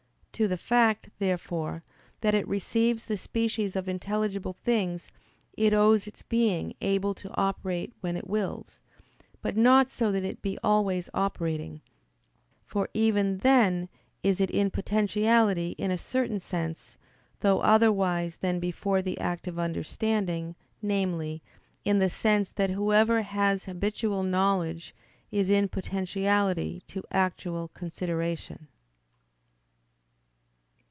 To the fact, therefore, that it receives the species of intelligible things it owes its being able to operate when it wills, but not so that it be always operating: for even then is it in potentiality in a certain sense, though otherwise than before the act of understanding namely, in the sense that whoever has habitual knowledge is in potentiality to actual consideration.